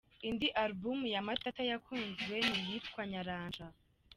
Indi album ya Matata yakunzwe n’iyitwa “Nyaranja ”.